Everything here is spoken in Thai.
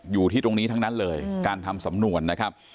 อยู่ที่ตรงนี้ทั้งนั้นเลยการทำสำนวนนะครับ